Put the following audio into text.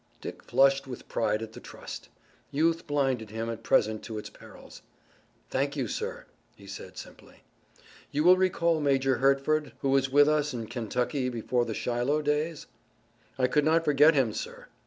Dick flushed with pride at the trust. Youth blinded him at present to its perils. "Thank you, sir," he said simply. "You will recall Major Hertford, who was with us in Kentucky before the Shiloh days?" "I could not forget him, sir.